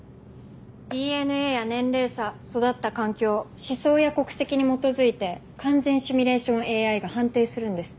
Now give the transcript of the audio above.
ＤＮＡや年齢差育った環境思想や国籍に基づいて完全シミュレーションＡＩが判定するんです。